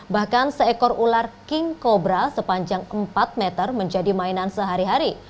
bahkan seekor ular king cobra sepanjang empat meter menjadi mainan sehari hari